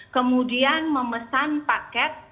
kemudian memesan paket